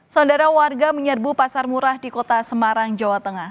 saudara warga menyerbu pasar murah di kota semarang jawa tengah